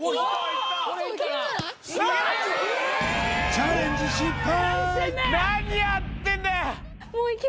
チャレンジ失敗！